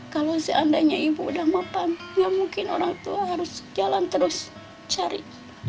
kalau seandainya ibu sudah mempam tidak mungkin orang tua harus jalan terus cari